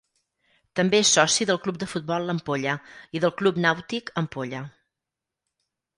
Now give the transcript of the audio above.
També és soci del Club de Futbol l'Ampolla i del Club Nàutic Ampolla.